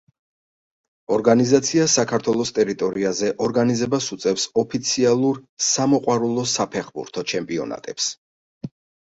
ორგანიზაცია საქართველოს ტერიტორიაზე ორგანიზებას უწევს ოფიციალურ სამოყვარულო საფეხბურთო ჩემპიონატებს.